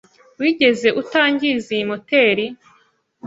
Wigeze utangiza iyi moteri?